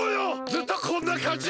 ずっとこんなかんじよ！